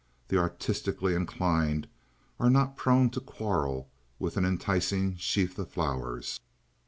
The artistically inclined are not prone to quarrel with an enticing sheaf of flowers.